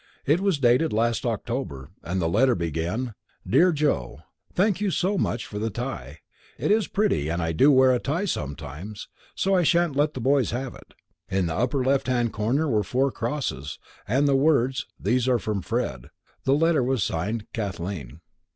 It was dated last October and the letter began: 'Dear Joe, Thank you so much for the tie it is pretty and I do wear ties sometimes, so I sha'n't let the boys have it.' In the upper left hand corner were four crosses, and the words 'These are from Fred.' The letter was signed 'Kathleen.'"